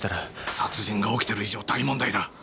殺人が起きてる以上大問題だ！